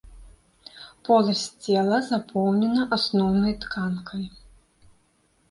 Поласць цела запоўнена асноўнай тканкай.